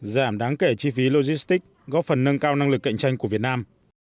giảm đáng kể chi phí logistics góp phần nâng cao năng lực cạnh tranh của việt nam